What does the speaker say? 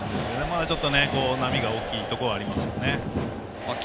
まだちょっと、波が大きいところはありますよね。